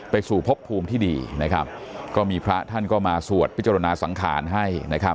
ไปสู่พบภูมิที่ดีก็มีพระท่านก็มาสวดวิจารณาสังคาญให้